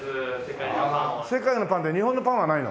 世界のパンって日本のパンはないの？